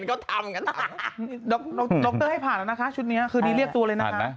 นอกเตอร์ให้ผ่านแล้วนะคะชุดเนื้อคืนี่เรียกตัวเลยนะคะ